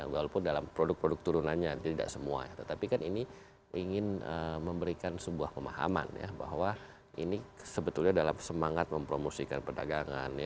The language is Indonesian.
walaupun dalam produk produk turunannya tidak semua ya tetapi kan ini ingin memberikan sebuah pemahaman ya bahwa ini sebetulnya dalam semangat mempromosikan perdagangan